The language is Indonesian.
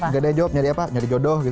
gak ada jawab nyari apa nyari jodoh